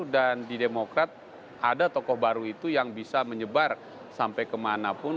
dan di demokrat ada tokoh baru itu yang bisa menyebar sampai kemanapun